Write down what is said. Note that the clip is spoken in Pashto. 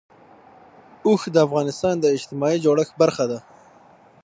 اوښ د افغانستان د اجتماعي جوړښت برخه ده.